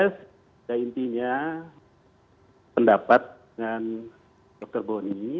pada intinya pendapat dengan dr boni